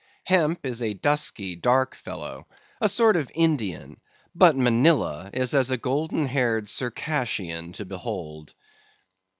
Hemp is a dusky, dark fellow, a sort of Indian; but Manilla is as a golden haired Circassian to behold.